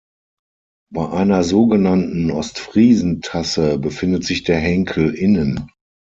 Bei einer sogenannten Ostfriesentasse befindet sich der Henkel innen.